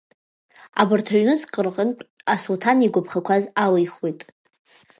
Абарҭ рыҩныҵҟа рҟынтә Асултан игәаԥхақәаз алихуеит.